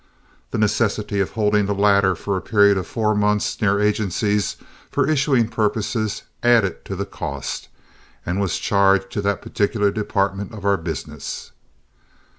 The necessity of holding the latter for a period of four months near agencies for issuing purposes added to the cost, and was charged to that particular department of our business.